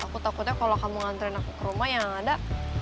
aku takutnya kalau kamu ngantren aku ke rumah yang ada